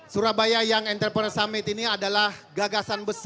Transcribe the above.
surabaya young entrepreneur summit ini adalah gagasan besar